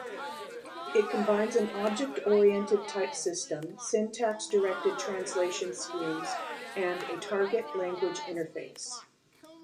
It combines an object-oriented type system, syntax-directed translation schemes and a target-language interface.